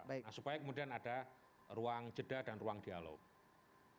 nah supaya kemudian ada ruang jeda dan ruang dialog